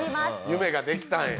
夢ができたんや。